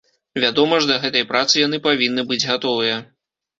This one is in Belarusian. Вядома ж, да гэтай працы яны павінны быць гатовыя.